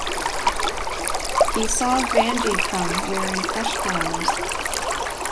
He saw Vanji come wearing fresh flowers.